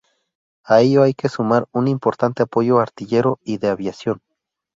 A ello hay que sumar un importante apoyo artillero y de aviación.